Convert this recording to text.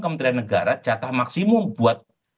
kementerian negara jatah maksimum buat